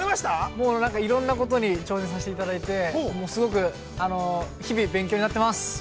◆もうなんか、いろんなことに挑戦させていただいて、すごく、日々勉強になっています。